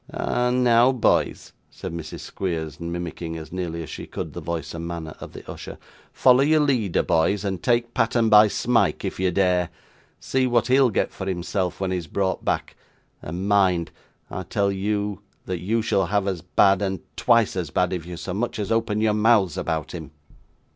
'Ah! Now, boys,' said Mrs. Squeers, mimicking, as nearly as she could, the voice and manner of the usher. 'Follow your leader, boys, and take pattern by Smike if you dare. See what he'll get for himself, when he is brought back; and, mind! I tell you that you shall have as bad, and twice as bad, if you so much as open your mouths about him.